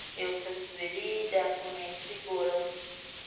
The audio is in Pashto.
یو تصویري ډاکومنټري ګورم.